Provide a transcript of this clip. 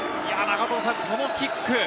このキック。